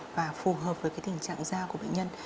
và phù hợp với tình trạng da của bệnh nhân